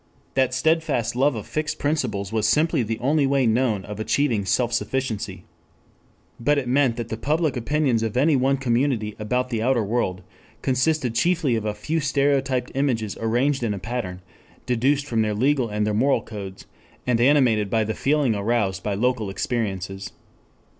That steadfast love of fixed principles was simply the only way known of achieving self sufficiency. But it meant that the public opinions of any one community about the outer world consisted chiefly of a few stereotyped images arranged in a pattern deduced from their legal and their moral codes, and animated by the feeling aroused by local experiences.